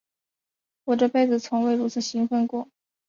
我这辈子从未如此兴奋过。